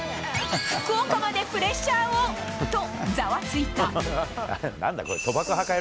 福岡までプレッシャーをと、ざわついた。